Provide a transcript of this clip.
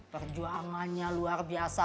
perjuangannya luar biasa